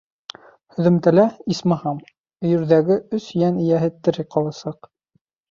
Һөҙөмтәлә, исмаһам, өйөрҙәге өс йән эйәһе тере ҡаласаҡ.